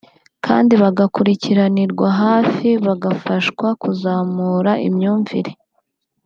kandi bagakurikiranirwa hafi bafashwa kuzamura imyumvire